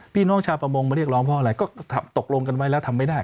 พี่น้องชาวประมงมาเรียกร้องเพราะอะไรก็ตกลงกันไว้แล้วทำไม่ได้